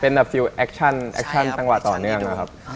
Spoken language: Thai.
เป็นธรรมกี้ที่ชนซึกชนต่อเนื่อง